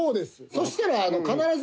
そしたら必ず。